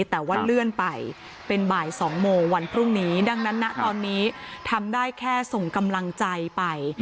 แต่ว่าเลื่อนไปเป็นบ่าย๒โมงวันพรุ่งนี้ดังนั้นนะตอนนี้ทำได้แค่ส่งกำลังใจไป